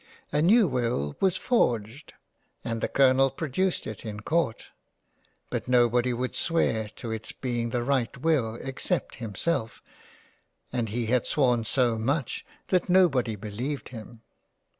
A new will was forged and the Colonel produced it in Court — but nobody would swear to it's being the right will except him self, and he had sworn so much that Nobody beleived him.